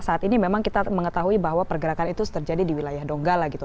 saat ini memang kita mengetahui bahwa pergerakan itu terjadi di wilayah donggala gitu